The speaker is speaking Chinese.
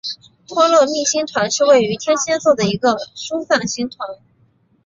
托勒密星团是位于天蝎座的一个疏散星团。